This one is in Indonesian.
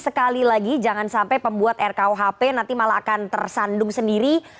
sekali lagi jangan sampai pembuat rkuhp nanti malah akan tersandung sendiri